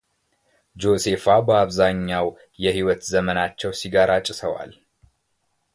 ጆሴፋ በአብዛኛው የሕይወት ዘመናቸው ሲጋራ አጭሰዋል።